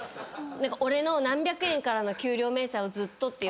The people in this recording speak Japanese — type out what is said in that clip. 「俺の何百円からの給料明細をずっと」って。